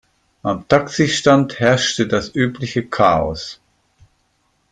Am Taxistand herrschte das übliche Chaos.